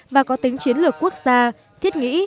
và có tính chiến lược quốc gia thiết nghĩ